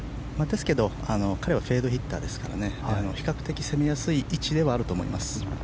ですけど彼はフェードヒッターですから比較的攻めやすい位置ではあると思います。